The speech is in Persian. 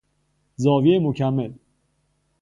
زاویهی مکمل